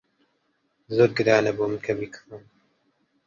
زۆر گرانە بۆ من کە بیکڕم.